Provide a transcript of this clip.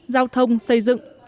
giao thông xây dựng